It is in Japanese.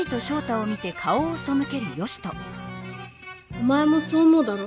おまえもそう思うだろ？